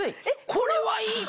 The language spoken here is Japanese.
これはいいって！